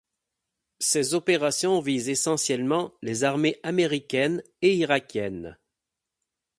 Ces opérations visent essentiellement les armées américaine et irakienne.